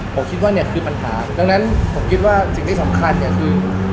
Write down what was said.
ผมคิดว่าเนี่ยคือปัญหาดังนั้นผมคิดว่าสิ่งที่สำคัญเนี่ยคือ